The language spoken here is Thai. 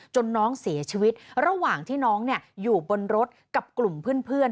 น้องเสียชีวิตระหว่างที่น้องอยู่บนรถกับกลุ่มเพื่อน